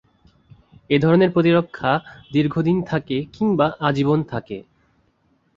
এ ধরনের প্রতিরক্ষা দীর্ঘদিন থাকে কিংবা আজীবন থাকে।